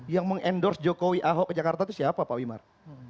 yang meng endorse jokowi aho ke jakarta itu siapa pak wimar